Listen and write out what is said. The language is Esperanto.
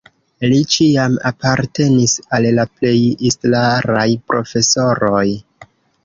Li ĉiam apartenis al la plej elstaraj profesoroj.